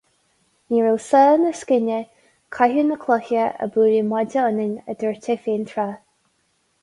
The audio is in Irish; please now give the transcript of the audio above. Ní raibh sá na scine, caitheamh na cloiche ná bualadh maide ionainn, a dúirt sé féin tráth.